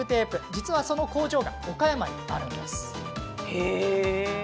実はその工場が岡山にあるんです。